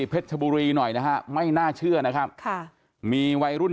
ชบุรีหน่อยนะฮะไม่น่าเชื่อนะครับค่ะมีวัยรุ่น